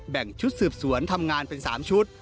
ชุดสืบสวนทำงานเป็น๓ชุด